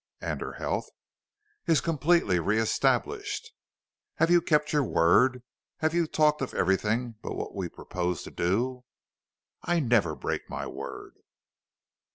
"And her health?" "Is completely re established." "Have you kept your word? Have you talked of everything but what we propose to do?" "I never break my word."